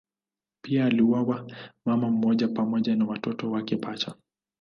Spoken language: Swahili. Pia aliuawa mama mmoja pamoja na watoto wake pacha.